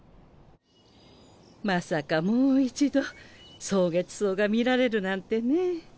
まさかもう一度蒼月草が見られるなんてね。